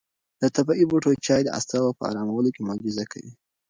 د طبیعي بوټو چای د اعصابو په ارامولو کې معجزه کوي.